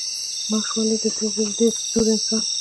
ناش ولئ، زه ددې دور انسان.